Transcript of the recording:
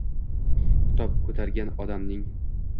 \Kitob ko‘targan odam\"ng"